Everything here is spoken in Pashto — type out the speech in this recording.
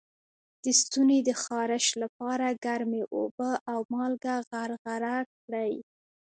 د ستوني د خارش لپاره ګرمې اوبه او مالګه غرغره کړئ